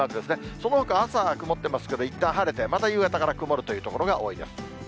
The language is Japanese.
そのほか、朝曇ってますけど、いったん晴れて、また夕方から曇るという所が多いです。